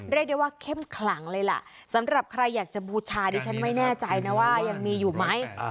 เรียกได้ว่าเข้มขลังเลยล่ะสำหรับใครอยากจะบูชาดิฉันไม่แน่ใจนะว่ายังมีอยู่ไหม